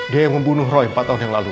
dia yang membunuh roy empat tahun yang lalu